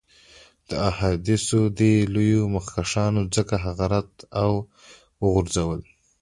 د احادیثو دې لویو مخکښانو ځکه هغه رد او وغورځول.